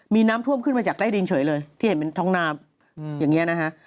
มีน้ำท่วมขึ้นมาจากใต้ดินเฉยเลยที่เห็นเป็นท้องน้ำอย่างนี้นะฮะ